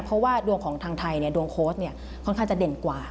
เพราะว่าดวงของทางไทยดวงโค้ชค่อนข้างจะเด่นกว่า